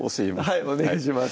はいお願いします